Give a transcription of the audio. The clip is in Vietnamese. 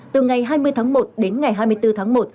từ ngày hai mươi tháng một đến ngày hai mươi bốn tháng một